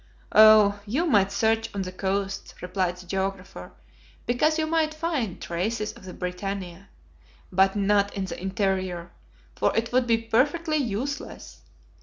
"Oh, you might search on the coasts," replied the geographer, "because you might find traces of the BRITANNIA, but not in the interior, for it would be perfectly useless.